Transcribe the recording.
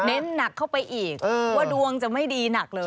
หนักเข้าไปอีกว่าดวงจะไม่ดีหนักเลย